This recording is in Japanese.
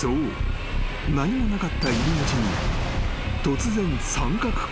何もなかった入り口に］